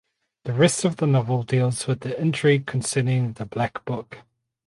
The rest of the novel deals with the intrigue concerning the black book.